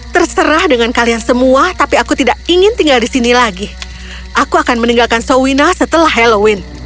terserah dengan kalian semua tapi aku tidak ingin tinggal di sini lagi aku akan meninggalkan soina setelah halloween